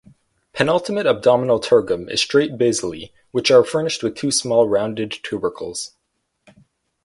Penultimate abdominal tergum is straight basally which are furnished with two small rounded tubercles.